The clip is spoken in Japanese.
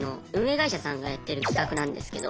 会社さんがやってる企画なんですけど。